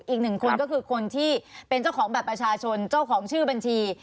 อีกหนึ่งคนก็คือคนที่เป็นเจ้าของบัตรประชาชนเจ้าของชื่อบัญชี